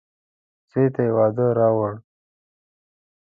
زوی ته يې واده راووړ.